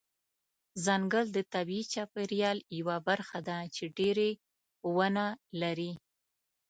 ځنګل د طبیعي چاپیریال یوه برخه ده چې ډیری ونه لري.